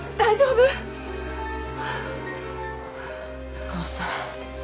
お母さん。